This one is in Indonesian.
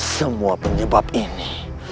semua penyebab ini